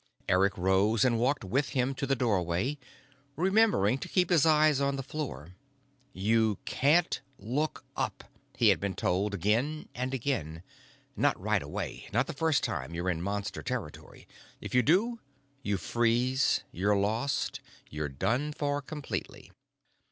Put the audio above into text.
Eric rose and walked with him to the doorway, remembering to keep his eyes on the floor. You can't look up, he had been told again and again, not right away, not the first time you're in Monster territory. If you do, you freeze, you're lost, you're done for completely.